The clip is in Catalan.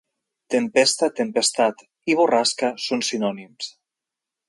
Tempesta, tempestat i borrasca són sinònims.